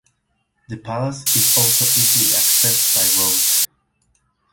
The palace is also easily accessed by road.